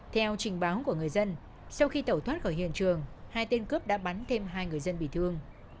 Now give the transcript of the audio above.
theo trình báo của người dân sau khi tẩu thoát khỏi hiện trường hai tên cướp đã bắn thêm hai người dân bị thương